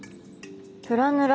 プラヌラ。